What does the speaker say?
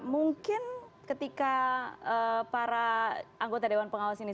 mungkin ketika para anggota dewan pengawas ini